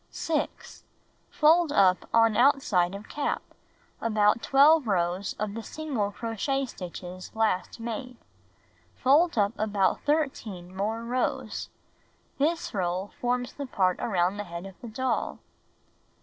6. Fold up on outside of cap, about 12 rows of the single crochet stitches last made. Fold up about 13 more rows. This roll forms the part around the head of the doll.